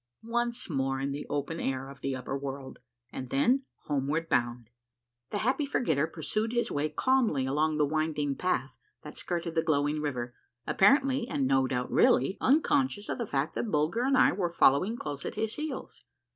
— ONCE MORE IN THE OPEN AIR OF THE UPPER WORLD, AND THEN HOMEWARD BOUND. The Happy Forgetter pursued his way calmly along the winding path that skirted the glowing river, apparently, and no doubt really, unconscious of the fact that Bulger and I were following close at his heels.